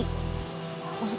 maksudnya gimana sih